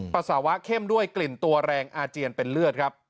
ปสาวะเข้มด้วยกลิ่นตัวแรงอาเจียนครับ